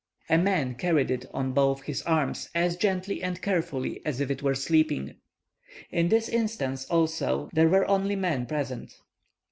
A man carried it on both his arms as gently and carefully as if it was sleeping. In this instance, also, there were only men present.